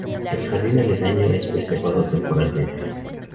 El jardín aledaño es preservado temporalmente.